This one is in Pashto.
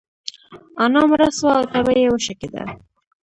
انا مړه سوه او تبه يې وشکيده.